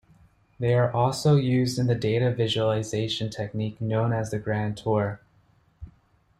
They are also used in the data-visualization technique known as the grand tour.